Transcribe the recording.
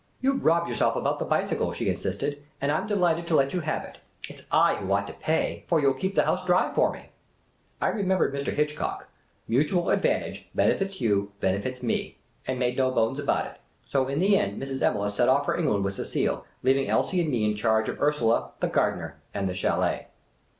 " You 've robbed yourselves about the bicycle," she insisted, " and I 'm delighted to let you have it. It 's I who ought to pay, for you '11 keep the house dry for me." I remembered Mr. Hitchcock —" Mutual advantage :" NKVKR LEAVE A HOUSE TO THE SERVANTS, MY DEAR!" benefits you, benefits me" — and made no bones about it. So in the end Mrs. Evelegh set off for England with Cecile, leaving Elsie and me in charge of Ursula, the gardener, and the chdlct.